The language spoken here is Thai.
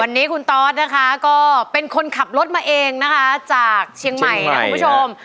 วันนี้คุณตอสนะคะก็เป็นคนขับรถมาเองนะคะจากเชียงใหม่นะคุณผู้ชม